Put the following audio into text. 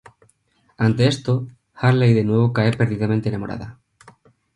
Ante esto, Harley de nuevo cae perdidamente enamorada.